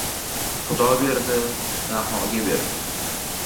Xudo berdi, Dahoga berdi!